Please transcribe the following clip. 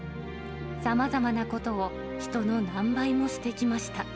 さまざまなことを人の何倍もしてきました。